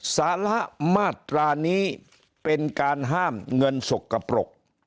สาระมาตรานี้เป็นการห้ามเงินสกปรก